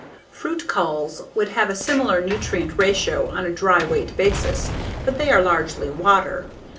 Fruit culls would have a similar nutrient ratio on a dry weight basis, but they are largely water.